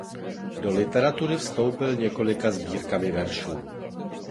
Do literatury vstoupil několika sbírkami veršů.